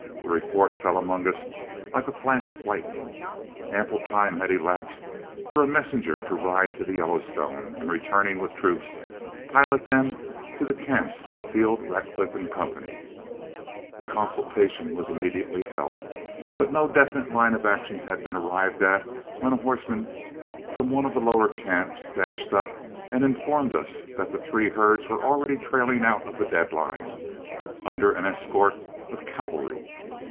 The report fell among us like a flash of lightning. Ample time had elapsed for a messenger to ride to the Yellowstone, and, returning with troops, pilot them to the camps of Field, Radcliff & Co. A consultation was immediately held, but no definite line of action had been arrived at when a horseman from one of the lower camps dashed up and informed us that the three herds were already trailing out for the dead line, under an escort of cavalry.